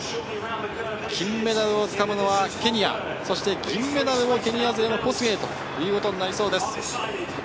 金メダルをつかむのはケニア、銀メダルもケニア勢のコスゲイということになりそうです。